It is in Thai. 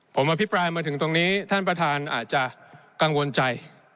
ผมอภิปรายมาถึงตรงนี้ท่านประธานอาจจะกังวลใจ